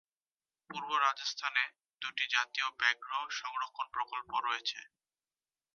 পূর্ব রাজস্থানে দুটি জাতীয় ব্যাঘ্র সংরক্ষণ প্রকল্প রয়েছে।